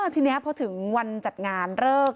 ทีนี้พอถึงวันจัดงานเลิก